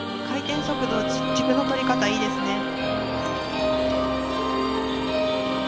回転速度の軸の取り方がいいですね。